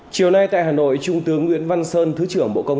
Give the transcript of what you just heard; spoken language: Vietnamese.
chiều nay tại hà nội trung tướng nguyễn văn sơn thứ trưởng bộ công an